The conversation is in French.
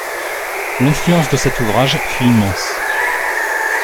L'influence de cet ouvrage fut immense.